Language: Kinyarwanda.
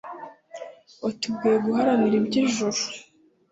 watubwiye guharanira iby'ijuru